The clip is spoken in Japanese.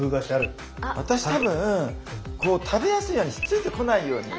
私多分こう食べやすいようにひっついてこないように。